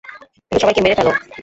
ওদের সবাইকে মেরে ফেলো।